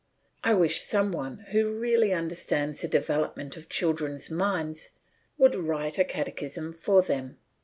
I wish some one who really understands the development of children's minds would write a catechism for them.